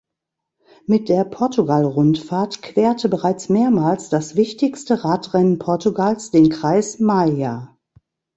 Mit der Portugal-Rundfahrt querte bereits mehrmals das wichtigste Radrennen Portugals den Kreis Maia.